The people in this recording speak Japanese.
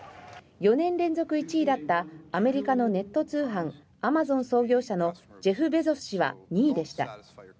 ４年連続１位だったアメリカのネット通販アマゾン創業者のジェフ・ベゾス氏は２位でした。